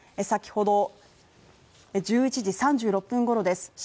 先ほど、１１時３６分頃です。